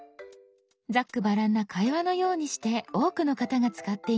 ざっくばらんな会話のようにして多くの方が使っています。